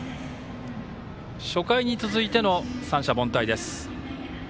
初回に続いての三者凡退です。